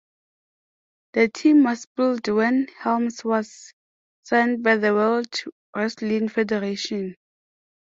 The team was split when Helms was signed by the World Wrestling Federation.